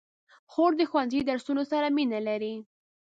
خور د ښوونځي د درسونو سره مینه لري.